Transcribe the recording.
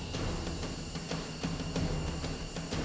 kenapa mereka di luar masa lebih